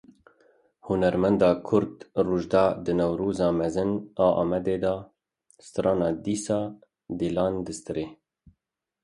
Hunermenda Kurd Rojda di Newroza mezin a Amedê de strana Dîsa dilan distirê.